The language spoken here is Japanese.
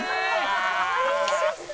「おいしそう！」